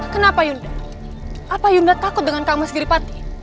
kenapa yunda apa yunda takut dengan kang mas giripati